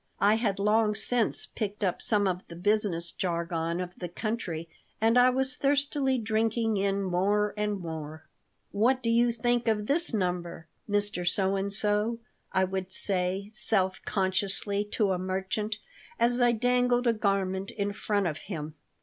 I had long since picked up some of the business jargon of the country and I was thirstily drinking in more and more "What do you think of this number, Mr. So and so?" I would say, self consciously, to a merchant, as I dangled a garment in front of him.